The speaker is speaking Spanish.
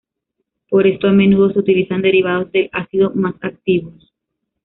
Por esto a menudo se utilizan derivados del ácido más activos.